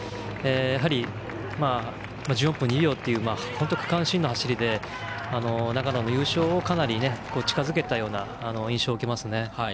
やはり１４分２秒という本当に区間新の走りで長野の優勝をかなり近づけたような印象です。